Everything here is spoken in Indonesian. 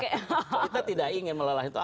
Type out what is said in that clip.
kita tidak ingin melelah itu